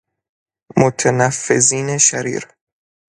متنفذین شریر